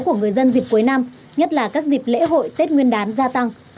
của người dân dịp cuối năm nhất là các dịp lễ hội tết nguyên đán gia tăng